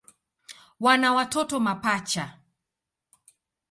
Wana watoto mapacha.